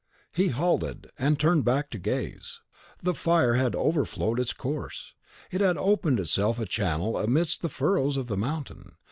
He halted, and turned back to gaze. The fire had overflowed its course; it had opened itself a channel amidst the furrows of the mountain.